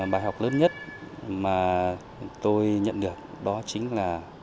bài học lớn nhất mà tôi nhận được đó chính là